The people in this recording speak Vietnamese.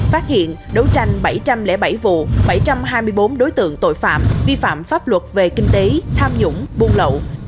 phát hiện đấu tranh bảy trăm linh bảy vụ bảy trăm hai mươi bốn đối tượng tội phạm vi phạm pháp luật về kinh tế tham nhũng buôn lậu